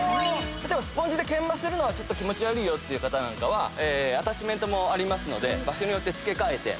スポンジで研磨するのは気持ち悪いよっていう方なんかはアタッチメントもあるので場所によって付け替えて。